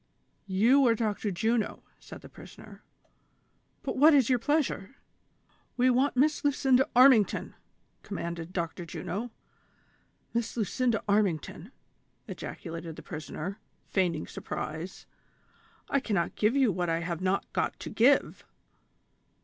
"You are Dr. Juno," said the prisoner; "but what is your pleasure ?" "AVe want Miss Lucinda Armington!" commanded Dr. Juno. " Miss Lucinda Armington !" ejaculated the prisoner, feigning surprise. " I cannot give you what I have not got to give."